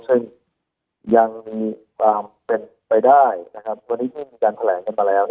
ซึ่งยังมีความเป็นไปได้นะครับวันนี้ที่มีการแถลงกันมาแล้ว